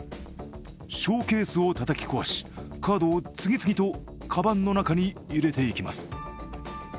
ショーケースをたたき壊し、カードを次々とかばんの中に入れていきます。